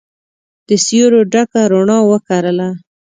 د سیورو ډکه روڼا وکرله